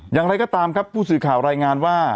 อย่างไรก็ตามครับผู้สื่อข่าวรายงานว่า